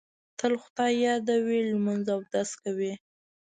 تل خدای یادوي، لمونځ اودس کوي.